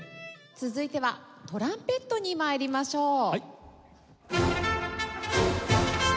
続いてはトランペットに参りましょう。